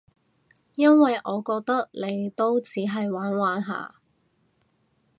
因為我覺得你都只係玩玩下